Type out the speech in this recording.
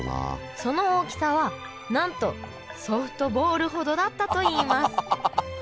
その大きさはなんとソフトボールほどだったといいますハハハ。